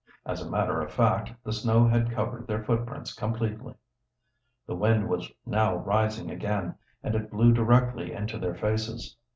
As a matter of fact, the snow had covered their footprints completely. The wind was now rising again, and it blew directly into their faces.